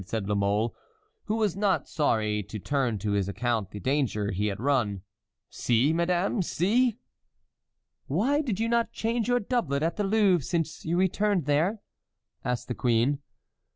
said La Mole, who was not sorry to turn to his account the danger he had run. "See, madame, see!" "Why did you not change your doublet at the Louvre, since you returned there?" asked the queen.